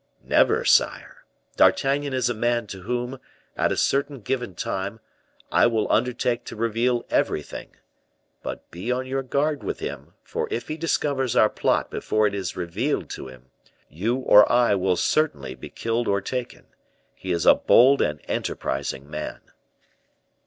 "Never, sire. D'Artagnan is a man to whom, at a certain given time, I will undertake to reveal everything; but be on your guard with him, for if he discovers our plot before it is revealed to him, you or I will certainly be killed or taken. He is a bold and enterprising man."